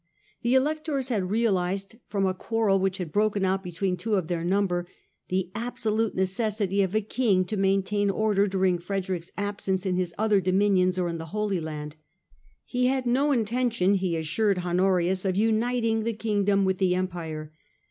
The Electors had realised, from a quarrel which had broken out between two of their number, the absolute necessity of a king to maintain order during Frederick's absence in his other dominions or in the Holy Land. He had no intention, he assured Honorius, of uniting the Kingdom with the Empire.